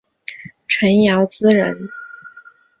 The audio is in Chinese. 陈尧咨人。